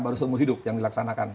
baru seumur hidup yang dilaksanakan